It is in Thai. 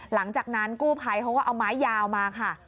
หลังจากนั้นกู้ภัยเขาก็เอาไม้ยาวมาค่ะ